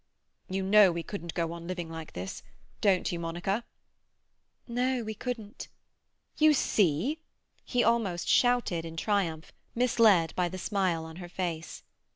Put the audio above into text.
"You know we couldn't go on living like this—don't you, Monica?" "No, we couldn't." "You see!" He almost shouted in triumph, misled by the smile on her face.